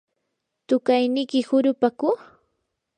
¿tuqayniki hurupaku?